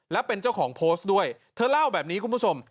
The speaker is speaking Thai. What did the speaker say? เธอเล่าแบบนี้คุณประสม